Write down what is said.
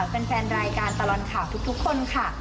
แฟนรายการตลอดข่าวทุกคนค่ะ